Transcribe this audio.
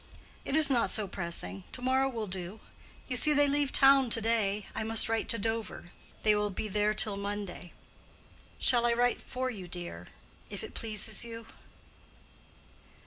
"It is not so pressing. To morrow will do. You see they leave town to day. I must write to Dover. They will be there till Monday." "Shall I write for you, dear—if it teases you?"